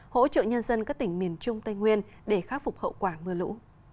hỗ trợ nhân dân các tỉnh miền trung tây nguyên để khắc phục hậu quả mưa lũ